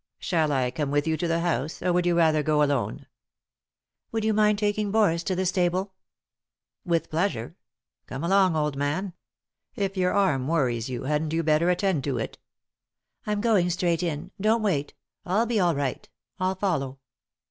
Shall I come with you to the house, or would you rather go alone 7 " "Would you mind taking Boris to the stable ?"" With pleasure. Come along, old man. If your arm worries you, hadn't you better attend to it ?" "I'm going straight in. Don't wait— I'll be all right— I'll follow."